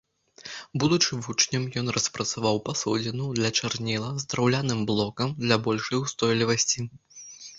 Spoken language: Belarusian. Будучы вучнем ён распрацаваў пасудзіну для чарніла з драўляным блокам для большай устойлівасці.